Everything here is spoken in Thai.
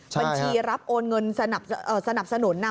บัญชีรับโอนเงินสนับสนุน